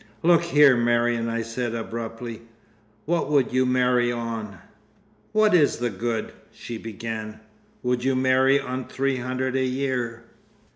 "Look here, Marion," I said abruptly, "what would you marry on?" "What is the good?" she began. "Would you marry on three hundred a year?"